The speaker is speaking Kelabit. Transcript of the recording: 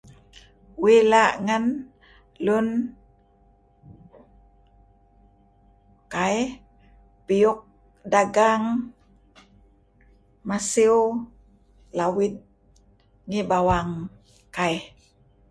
Uih la' ngan lun kaih piyuk dagang masiew lawid ngi bawang kai'